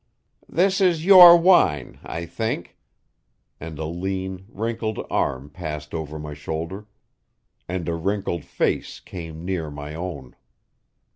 "This is your wine, I think," and a lean, wrinkled arm passed over my shoulder, and a wrinkled face came near my own.